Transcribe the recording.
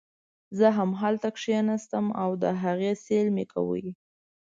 زه همالته کښېناستم او د هغې سیل مې کاوه.